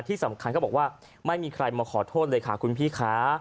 ที่สำคัญเขาบอกว่าไม่มีใครมาขอโทษเลยค่ะคุณพี่ค่ะ